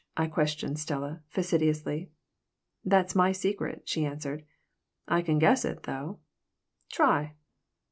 I questioned Stella, facetiously. "That's my secret," she answered. "I can guess it, though." "Try."